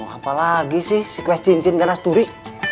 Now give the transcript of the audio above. loh mau apa lagi sih si kue cincin ganas turi